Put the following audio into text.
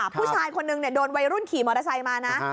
ผู้ชายคนนึงโดนวัยรุ่นขี่มอเตอร์ไซค์มานะ